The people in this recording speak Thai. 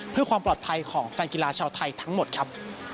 เพื่อความปลอดภัยของแฟนกีฬาชาวไทยทั้งหมดครับ